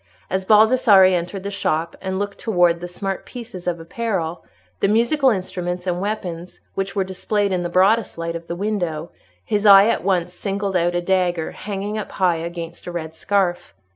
As Baldassarre entered the shop, and looked towards the smart pieces of apparel, the musical instruments, and weapons, which were displayed in the broadest light of the window, his eye at once singled out a dagger hanging up high against a red scarf.